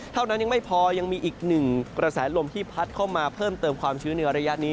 เท่านั้นยังไม่พอยังมีอีกหนึ่งกระแสลมที่พัดเข้ามาเพิ่มเติมความชื้นในระยะนี้